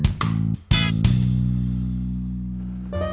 aku mau panggil nama atu